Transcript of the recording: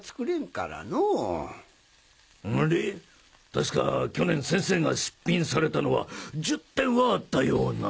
確か去年先生が出品されたのは１０点はあったような。